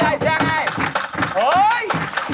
ว่ายุ่งที่๖